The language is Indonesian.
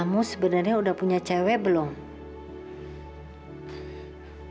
kamu sebenarnya udah punya cewek belum